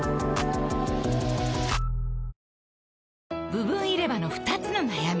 部分入れ歯の２つの悩み